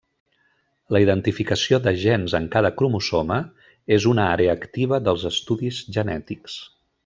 La identificació de gens en cada cromosoma és una àrea activa dels estudis genètics.